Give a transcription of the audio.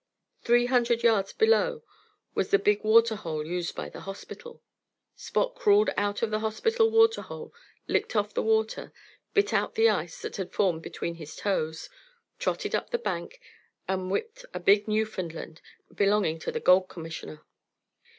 Three hundred yards below was the big water hole used by the hospital. Spot crawled out of the hospital water hole, licked off the water, bit out the ice that had formed between his toes, trotted up the bank, and whipped a big Newfoundland belonging to the Gold Commissioner.